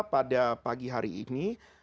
pada pagi hari ini